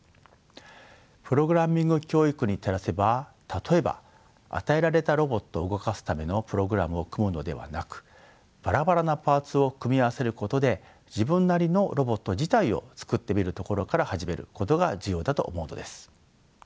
プログラミング教育に照らせば例えば与えられたロボットを動かすためのプログラムを組むのではなくバラバラなパーツを組み合わせることで自分なりのロボット自体を作ってみるところから始めることが重要だと思うのです。